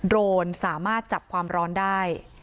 โรนสามารถจับความร้อนได้